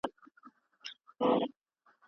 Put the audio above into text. پهلوان سلسال له رود څخه راووت